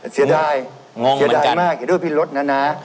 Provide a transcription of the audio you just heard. เสียดายเสียดายมากด้วยพี่รถนะ